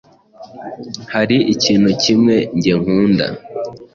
hari ikintu kimwe njye nkunda